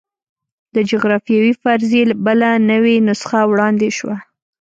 د جغرافیوي فرضیې بله نوې نسخه وړاندې شوه.